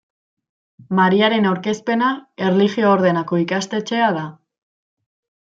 Mariaren Aurkezpena erlijio ordenako ikastetxea da.